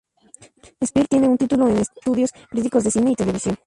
Speer tiene un título en Estudios Críticos de Cine y Televisión.